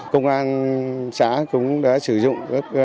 công an xã cũng đã sử dụng